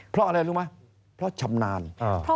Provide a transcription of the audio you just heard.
เพราะอะไรรู้ไหมเพราะชำนาญ